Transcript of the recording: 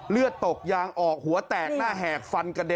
เลือดตกยางออกหัวแตกหน้าแหกฟันกระเด็